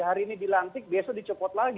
hari ini dilantik besok dicopot lagi